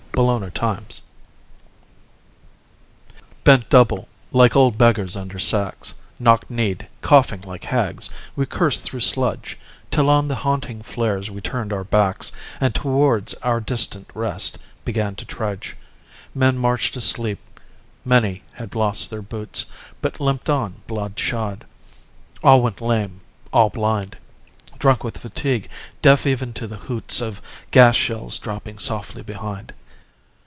Dulce et Decorum est Bent double, like old beggars under sacks, Knock kneed, coughing like hags, we cursed through sludge, Till on the haunting flares we turned our backs, And towards our distant rest began to trudge. Men marched asleep. Many had lost their boots, But limped on, blood shod. All went lame, all blind; Drunk with fatigue; deaf even to the hoots Of gas shells dropping softly behind.